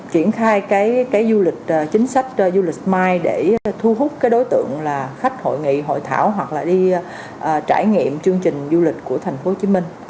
triển khai chính sách du lịch mais để thu hút đối tượng khách hội nghị hội thảo hoặc đi trải nghiệm chương trình du lịch của thành phố hồ chí minh